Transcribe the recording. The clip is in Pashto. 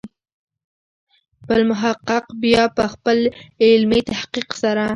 بل محقق بیا په خپل علمي تحقیق سره.